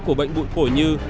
của bệnh bụi phổi như